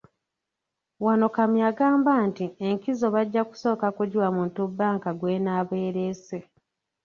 Wano Kamya agamba nti enkizo bajja kusooka kugiwa muntu bbanka gw'enaaba ereese.